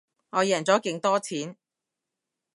我贏咗勁多錢